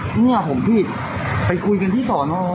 เมื่อผมผิดไปคุยกันที่สอนอ